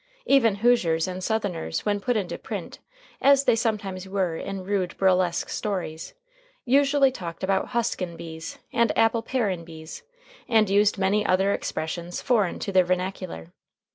Even Hoosiers and Southerners when put into print, as they sometimes were in rude burlesque stories, usually talked about "huskin' bees" and "apple parin' bees" and used many other expressions foreign to their vernacular.